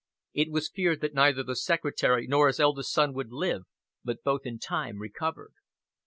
It was feared that neither the Secretary nor his eldest son would live, but both in time recovered.